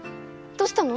どうしたの？